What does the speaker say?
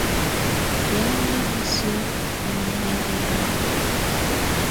Yamɛ̀á isǝ́ á ná ndà hianà.